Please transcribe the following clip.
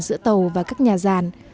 giữa tàu và các nhà giàn